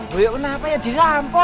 boyo kenapa dia dirampol